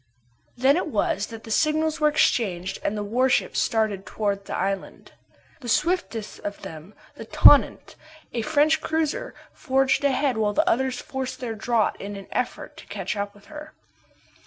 Then it was that the signals were exchanged and the warships started towards the island. The swiftest of them, the Tonnant, a French cruiser, forged ahead while the others forced their draught in an effort to catch up with her.